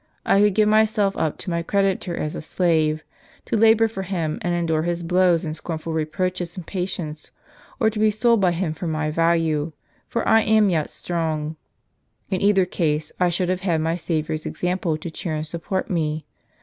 I could give myself up to my creditor as a slave, to labor for him and endure his blows and scornful reproaches in patience, or to be sold by him for my value, for I am yet strong. In either case, I should have had my Saviour's example to cheer and support me.